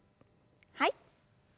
はい。